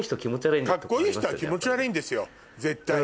カッコイイ人は気持ち悪いんですよ絶対に。